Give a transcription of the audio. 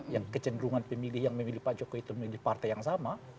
yang kecenderungan pemilih yang memilih pak jokowi itu memilih partai yang sama